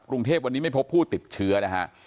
กรุงเทพวันนี้ไม่พบผู้ติดเชื้อนะฮะ